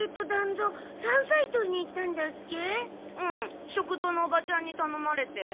うん食堂のおばちゃんにたのまれて。